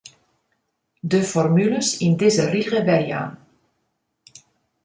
De formules yn dizze rige werjaan.